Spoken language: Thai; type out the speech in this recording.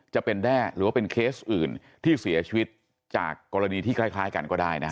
แด้หรือว่าเป็นเคสอื่นที่เสียชีวิตจากกรณีที่คล้ายกันก็ได้นะฮะ